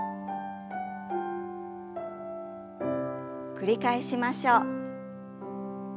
繰り返しましょう。